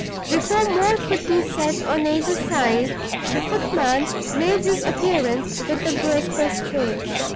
Before more could be said on either side, the footman made his appearance with the breakfast tray.